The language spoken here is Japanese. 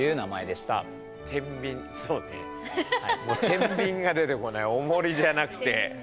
天秤が出てこないおもりじゃなくて。